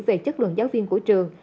về chất lượng giáo viên của trường